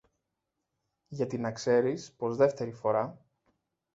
γιατί να ξέρεις πως δεύτερη φορά